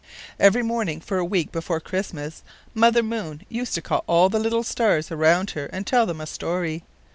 Every morning for a week before Christmas, Mother Moon used to call all the little stars around her and tell them a story.